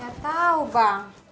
gak tau bang